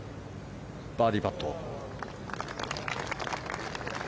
バーディーパット。